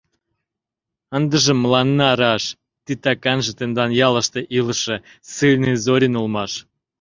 Ындыже мыланна раш, титаканже тендан ялыште илыше ссыльный Зорин улмаш.